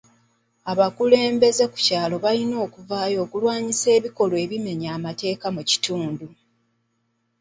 Abakulembeze ku kyalo balina okuvaayo okulwanyisa ebikolwa ebimenya amateeka mu kitundu.